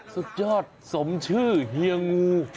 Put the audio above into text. สุดยอดสมชื่อเฮียงู